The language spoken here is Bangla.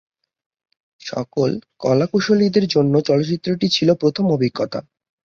সকল কলাকুশলীদের জন্য চলচ্চিত্রটি ছিল প্রথম অভিজ্ঞতা।